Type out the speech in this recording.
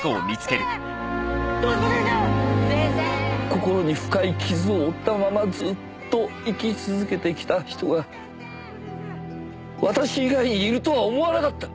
心に深い傷を負ったままずっと生き続けてきた人が私以外にいるとは思わなかった。